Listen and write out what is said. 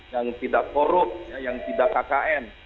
yang tidak korup yang tidak kkn